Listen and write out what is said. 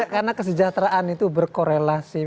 karena kesejahteraan itu berkorelasi